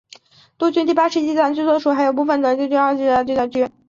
陆军第八十一集团军所属部队还有部分来自原陆军第二十七集团军。